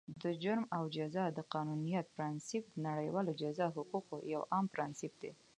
د جرم او جزا د قانونیت پرانسیپ، د نړیوالو جزا حقوقو یو عام پرانسیپ دی.